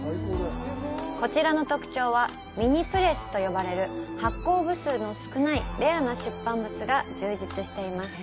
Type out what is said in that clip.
こちらの特徴は、ミニプレスと呼ばれる発行部数の少ないレアな出版物が充実しています。